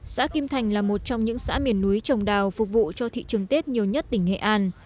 xã kim thành là một trong những xã miền núi trồng đào phục vụ cho thị trường tết nhiều nhất tỉnh nghệ an